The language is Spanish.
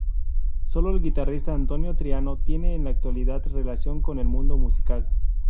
Solo el guitarrista Antonio Triano tiene en la actualidad relación con el mundo musical.